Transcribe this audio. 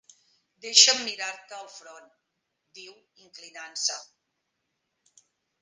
"Deixa'm mirar-te el front", diu, inclinant-se.